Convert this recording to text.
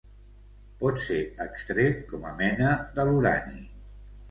Pot ser extret com a mena de l'urani.